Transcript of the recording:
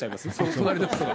隣の人が。